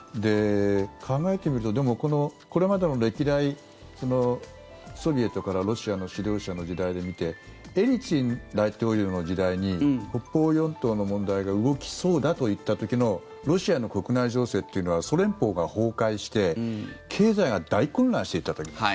考えてみると、これまでの歴代ソビエトからロシアの指導者の時代で見てエリツィン大統領の時代に北方四島の問題が動きそうだといった時のロシアの国内情勢というのはソ連邦が崩壊して経済が大混乱していた時。